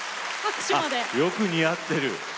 あよく似合ってる！